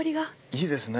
いいですね。